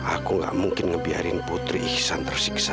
aku tidak mungkin membiarkan putri iksan tersiksa